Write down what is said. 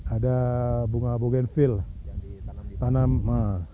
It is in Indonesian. ada bunga abogenvil tanam